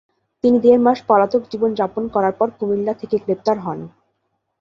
তিনি দেড় মাস পলাতক জীবন যাপন করার পর কুমিল্লা থেকে গ্রেপ্তার হন।